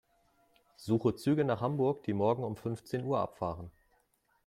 Suche Züge nach Hamburg, die morgen um fünfzehn Uhr abfahren.